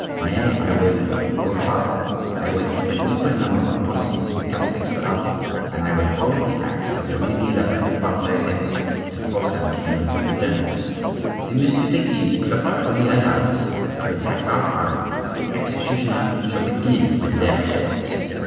Nay, I will go farther; I will keep an equal number of Protestants and Catholics about me, and I will hold the axe of Louis XI. above their heads to force them to be on good terms. If the Messieurs de Guise plot a Holy Alliance to attack our crown, the executioner shall begin with their heads.